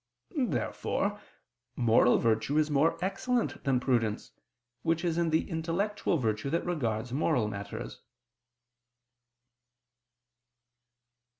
Therefore moral virtue is more excellent than prudence, which is the intellectual virtue that regards moral matters.